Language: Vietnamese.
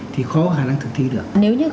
thì khó có khả năng thực thi được